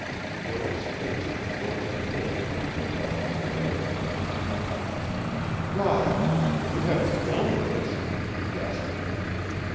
Philip's face was deadly pale when he looked up from the letter. "My God! you haven't done this?" he gasped.